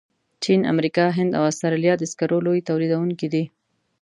چین، امریکا، هند او استرالیا د سکرو لوی تولیدونکي دي.